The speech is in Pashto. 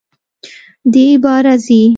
دی باره ځي!